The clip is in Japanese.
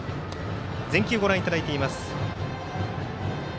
全球ご覧いただいています。